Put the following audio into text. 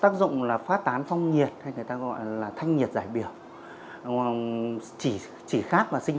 tác dụng là phát tán phong nhiệt hay người ta gọi là thanh nhiệt giải biểu chỉ khác là sinh